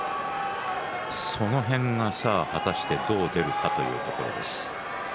その辺が果たしてどう出るかというところです。